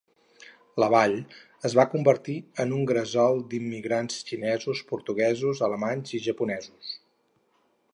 La vall es va convertir en un gresol d'immigrants xinesos, portuguesos, alemanys i japonesos.